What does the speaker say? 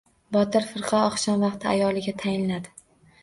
Botir firqa oqshom vaqti ayoliga tayinladi: